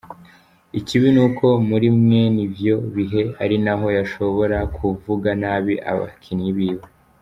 Ikibi nuko muri mwen'ivyo bihe, ari naho yashobora kuvuga nabi abakinyi biwe.